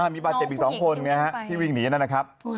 มีบาทเจ็บอีก๒คนนะครับที่วิ่งหนีนะครับ